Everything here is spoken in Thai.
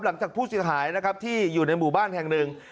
หลังจากผู้เสียหายนะครับที่อยู่ในหมู่บ้านแห่งหนึ่ง